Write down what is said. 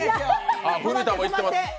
文田もいってます。